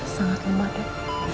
sangat lemah deh